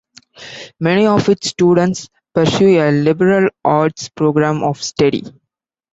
Many of its students pursue a liberal arts program of study.